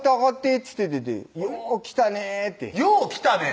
っつってて「よう来たね」って「よう来たね」？